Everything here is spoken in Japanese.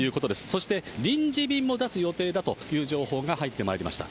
そして、臨時便も出す予定だという情報が入ってまいりました。